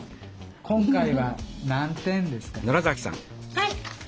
はい！